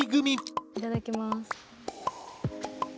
いただきます。